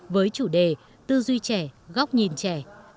với chủ đề tư duy trẻ góc nhìn trẻ